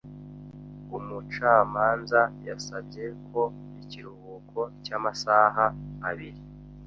Umucamanza yasabye ko ikiruhuko cy’amasaha abiri.